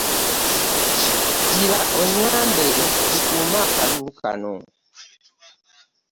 Gira onyambe tukume akaliro Kano.